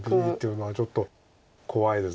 ちょっと怖いです。